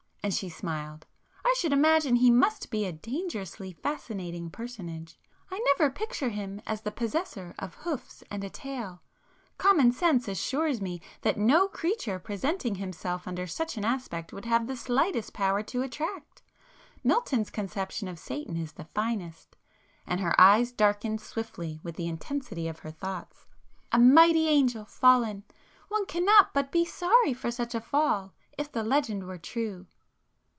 and she smiled—"I should imagine he must be a dangerously fascinating personage. I never picture him as the possessor of hoofs and a tail,—common sense assures me that no creature presenting himself under such an aspect would have the slightest power to attract. Milton's conception of Satan is the finest"—and her eyes darkened swiftly with the intensity of her thoughts—"A mighty Angel fallen!—one [p 239] cannot but be sorry for such a fall, if the legend were true!"